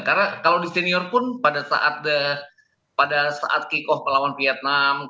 karena kalau di senior pun pada saat kick off pelawan vietnam